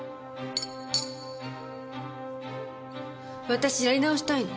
私やり直したいの。